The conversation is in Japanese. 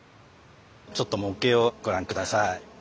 ちょっと模型をご覧下さい。